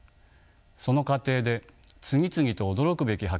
その過程で次々と驚くべき発見をしました。